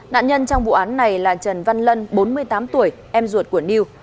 nạn nhân trong vụ án này là trần văn lân bốn mươi tám tuổi em ruột của new